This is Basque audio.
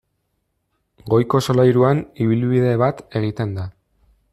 Goiko solairuan ibilbide bat egiten da.